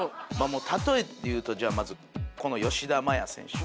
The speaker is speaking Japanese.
もう例えて言うとじゃあまずこの吉田麻也選手。